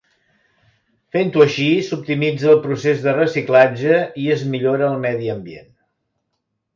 Fent-ho així, s'optimitza el procés de reciclatge i es millora el medi ambient.